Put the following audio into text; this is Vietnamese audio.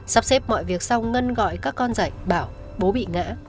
sắp xếp mọi việc xong ngân gọi các con dậy bảo bố bị ngã